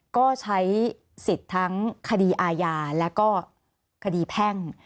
ก็ใช้สิทธิ์ทั้งคดีอาญาแล้วก็คดีแพ่ง